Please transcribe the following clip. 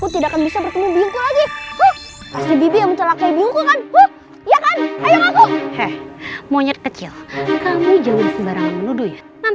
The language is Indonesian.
dia kan menikah sama harimau jadi jadian